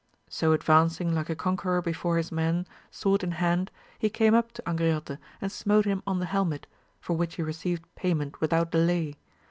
So advancing like a con queror before his men, sword in hand, he came up to Angriote, and smote him on the helmet, for which he received payment without delay.